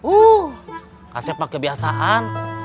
uh kaset pakebiasaan